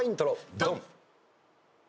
ドン！